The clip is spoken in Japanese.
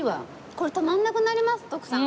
これ止まらなくなります徳さん。